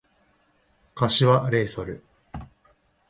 柏レイソル